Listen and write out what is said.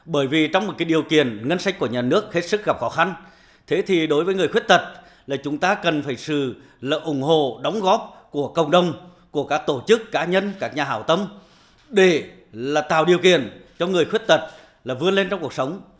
bởi vì trong một cái điều kiện ngân sách của nhà nước hết sức gặp khó khăn thế thì đối với người khuyết tật là chúng ta cần phải sự là ủng hộ đóng góp của cộng đồng của các tổ chức cá nhân các nhà hảo tâm để là tạo điều kiện cho người khuyết tật là vươn lên trong cuộc sống